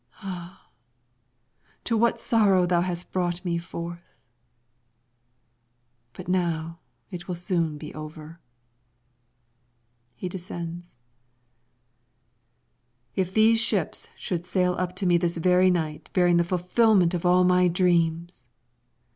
Ah, to what sorrow thou hast brought me forth! But now it will soon be over. [He descends.] If these ships should sail up to me this very night bearing the fulfillment of all my dreams!